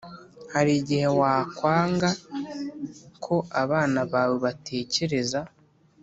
Hari igihe wakwanga ko abana bawe batekereza